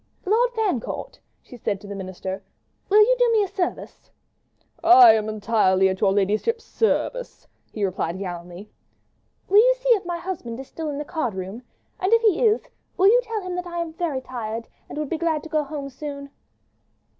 "Lord Fancourt," she said to the Minister, "will you do me a service?" "I am entirely at your ladyship's service," he replied gallantly. "Will you see if my husband is still in the card room? And if he is, will you tell him that I am very tired, and would be glad to go home soon."